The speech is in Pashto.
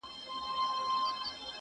په لوی لاس ځانته کږې کړي سمي لاري؛؛!